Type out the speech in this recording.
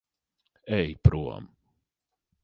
Ej prom.